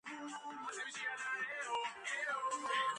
წელთაღრიცხვით, სამუდამოდ გაანადგურა იმპერატორმა თეოდოსიუს პირველმა.